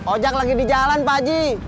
ojak lagi di jalan pak ji